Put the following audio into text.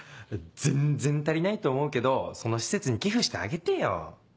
全然足りないと思うけどその施設に寄付してあげてよ。